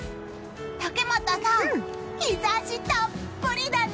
竹俣さん、日差したっぷりだね！